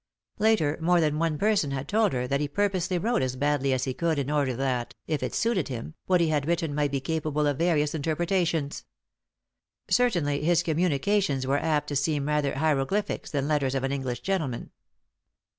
Later, more than one person had told her that he purposely wrote as badly as he could in order that, if it suited him, what he had written might be capable of various interpretations. Certainly his communica tions were apt to seem rather hieroglyphics than letters of an English gentleman.